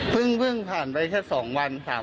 ทุกคนเขาก็ต้องทำงานกันอ่ะเขาก็มีหน้าที่ของเขาอ่ะ